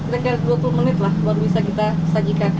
sekitar dua puluh menit lah baru bisa kita sajikan